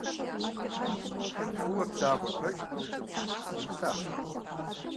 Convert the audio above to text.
Фӏыуэ плъагъур пэжымэ - утӏыпщ, умылъахъэ.